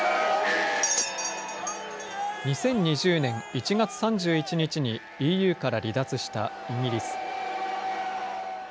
２０２０年１月３１日に、ＥＵから離脱したイギリス。